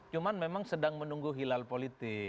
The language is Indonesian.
cuman memang sedang menunggu hilal politik